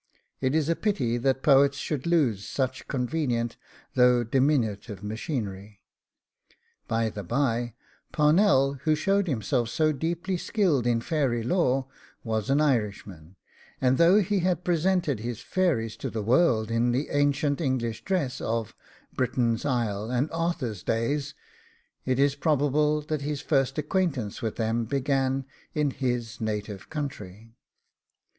It is a pity that poets should lose such convenient, though diminutive machinery. By the bye, Parnell, who showed himself so deeply 'skilled in faerie lore,' was an Irishman; and though he has presented his fairies to the world in the ancient English dress of 'Britain's isle, and Arthur's days,' it is probable that his first acquaintance with them began in his native country.